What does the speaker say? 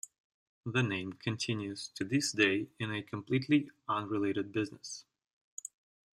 The name continues to this day in a completely unrelated business.